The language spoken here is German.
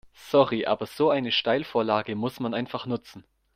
Sorry, aber so eine Steilvorlage muss man einfach nutzen.